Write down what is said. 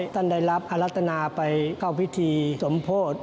ท่านได้รับอรัตนาไปเข้าพิธีสมโพธิ